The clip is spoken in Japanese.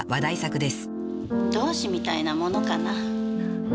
同志みたいなものかな。